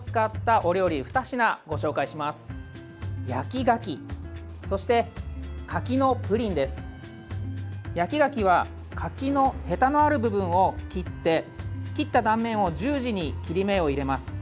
焼き柿は柿のへたのある部分を切って切った断面を十字に切り目を入れます。